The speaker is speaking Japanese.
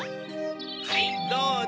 はいどうぞ！